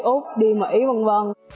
đi úc đi mỹ v v